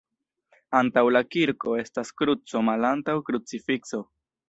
Antaŭ la kirko estas kruco malantaŭ krucifikso.